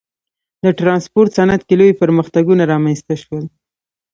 د ټرانسپورت صنعت کې لوی پرمختګونه رامنځته شول.